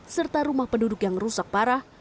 serta rumah penduduk yang rusak parah